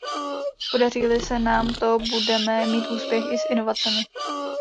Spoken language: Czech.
Podaří-li se nám to, budeme mít úspěch i s inovacemi.